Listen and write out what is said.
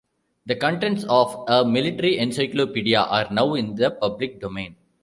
The contents of "A Military Encyclopedia" are now in the public domain.